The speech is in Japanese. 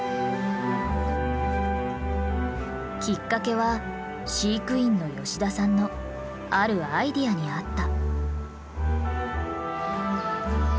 きっかけは飼育員の吉田さんのあるアイデアにあった。